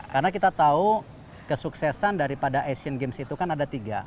karena kita tahu kesuksesan daripada asian games itu kan ada tiga